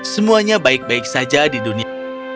semuanya baik baik saja di dunia